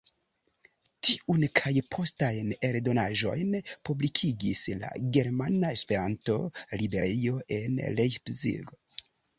Tiun kaj postajn eldonaĵojn publikigis la Germana Esperanto-Librejo en Leipzig.